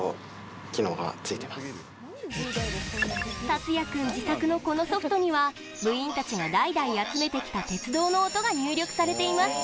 たつや君自作のこのソフトには部員たちが代々集めてきた鉄道の音が入力されています。